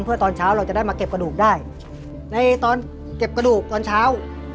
เพื่อตอนเช้าเราจะได้มาเก็บกระดูกได้ในตอนเก็บกระดูกตอนเช้า